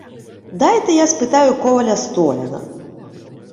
— Дайте, я спитаю коваля Стояна.